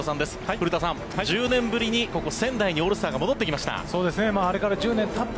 古田さん、１０年ぶりにここ、仙台にオールスターが戻ってきました。